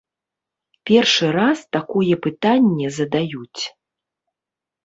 Першы раз такое пытанне задаюць.